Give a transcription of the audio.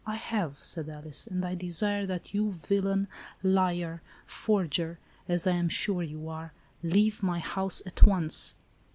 "I have," said Alice, "and I desire that you, villain, liar, forger as I am sure you are, leave my house at once."